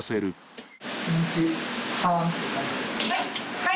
はい。